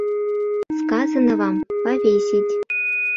Сказано вам «повесить!»